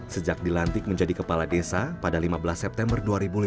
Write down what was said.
sejak dilantik menjadi kepala desa pada lima belas september dua ribu lima belas